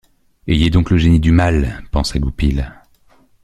Ayez donc le génie du mal! pensa Goupil.